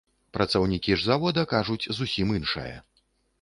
Працаўнікі ж завода кажуць зусім іншае.